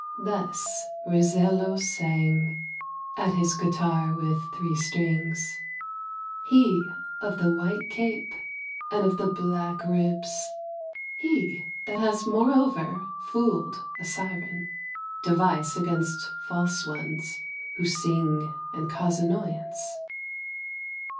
THUS Riselo sang At his guitar with three strings. He of the white cape And of the black ribs, He that has moreover Fooled a siren, Device against false ones Who sing and cause annoyance.